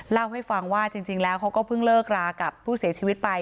เล่าให้ฟังว่าจริงแล้วเขาก็เพิ่งเลิกรากับผู้เสียชีวิตไป